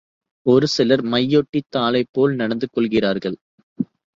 ஒரு சிலர் மையொட்டித் தாளைப்போல நடந்து கொள்கிறார்கள்.